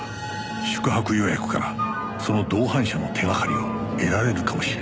宿泊予約からその同伴者の手がかりを得られるかもしれない